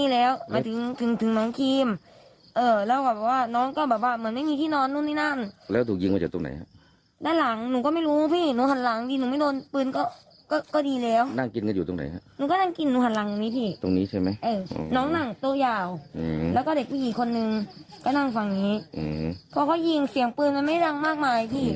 แล้วก็เด็กผู้หญิงคนหนึ่งก็นั่งฝั่งนี้เพราะเขายิงเสียงปืนมันไม่รังมากมายพี่